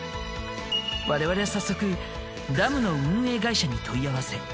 我々は早速ＤＡＭの運営会社に問い合わせ。